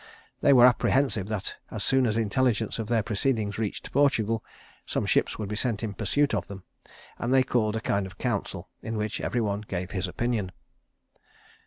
They were apprehensive that as soon as intelligence of their proceedings reached Portugal, some ships would be sent in pursuit of them; and they called a kind of council, in which every one gave his opinion.